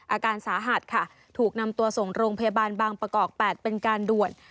อาการสาหัสค่ะถูกนำตัวส่งโรงพยาบาลบางประกอบ๘เป็นการด่วน